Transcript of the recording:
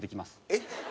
えっ？